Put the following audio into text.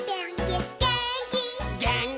「げーんき」